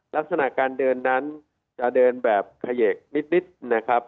ลักษณะการเดินนั้นจะเดินแบบเขยกนิดนะครับ